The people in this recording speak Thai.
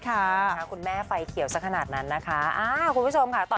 ใช่เราก็ไม่ได้ไปกดดันหรืออะไรครับ